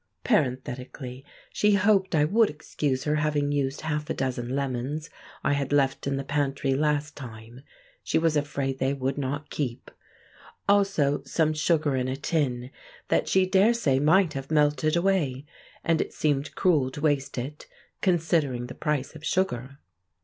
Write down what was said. Parenthetically, she hoped I would excuse her having used half a dozen lemons I had left in the pantry last time; she was afraid they would not keep; also some sugar in a tin, that she dare say might have melted away—and it seemed cruel to waste it considering the price of sugar.